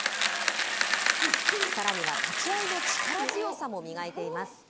さらには立ち合いの力強さも磨いています。